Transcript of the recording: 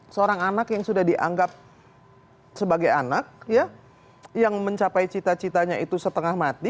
seorang anak yang sudah dianggap sebagai anak ya yang mencapai cita citanya itu setengah mati